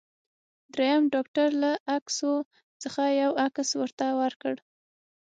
دریم ډاکټر له عکسو څخه یو عکس ورته ورکړ.